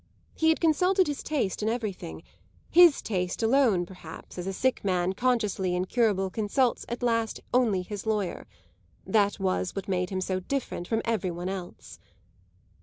He had consulted his taste in everything his taste alone perhaps, as a sick man consciously incurable consults at last only his lawyer: that was what made him so different from every one else.